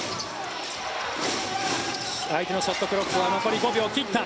相手のショットクロックは残り５秒を切った。